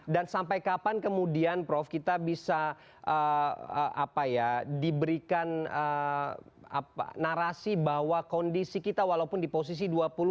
sampai kapan kemudian prof kita bisa diberikan narasi bahwa kondisi kita walaupun di posisi dua puluh